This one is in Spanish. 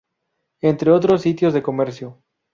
Entre otros sitios de comercio.